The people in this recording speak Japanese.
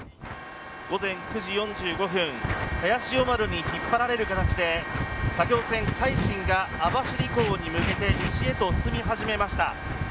午前９時４５分「早潮丸」に引っ張られる形で作業船「海進」が網走港に向けて西へと進み始めました。